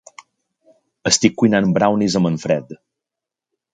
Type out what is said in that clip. Estic cuinant brownies amb en Fred.